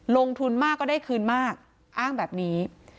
ลงทุนมากก็ได้คืนมากอ้างแบบนี้